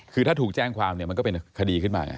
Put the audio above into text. คือถ้าถูกแจ้งความเนี่ยมันก็เป็นคดีขึ้นมาไง